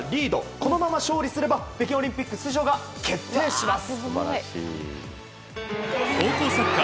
このまま勝利すれば北京オリンピック出場が決定します。